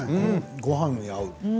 ごはんに合う。